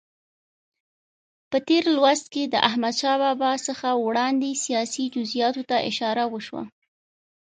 په تېر لوست کې د احمدشاه بابا څخه وړاندې سیاسي جزئیاتو ته اشاره وشوه.